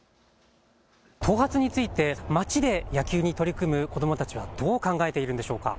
頭髪について街で野球に取り組む子どもたちはどう考えているんでしょうか。